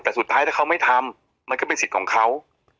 แต่สุดท้ายถ้าเขาไม่ทำมันก็เป็นสิทธิ์ของเขา